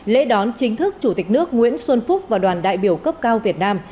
lễ đón chính thức chủ tịch nước nguyễn xuân phúc và đoàn đại biểu cấp cao việt nam